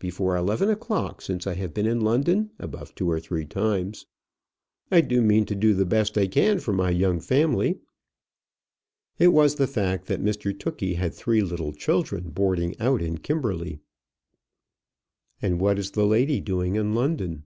before eleven o'clock since I have been in London above two or three times. I do mean to do the best I can for my young family." It was the fact that Mr Tookey had three little children boarding out in Kimberley. "And what is the lady doing in London?"